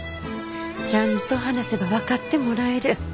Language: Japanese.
ちゃんと話せば分かってもらえる。